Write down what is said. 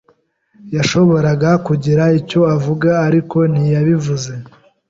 yashoboraga kugira icyo avuga, ariko ntiyabivuze.